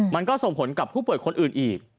มันก็ส่งผลกับผู้ป่วยคนอื่นอีก